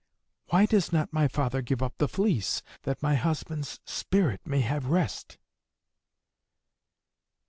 Why does not my father give up the fleece, that my husband's spirit may have rest?"